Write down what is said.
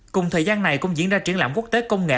cùng thời gian này cũng diễn ra triển lãm quốc tế công nghệ